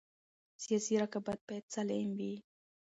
سیاسي رقابت باید سالم وي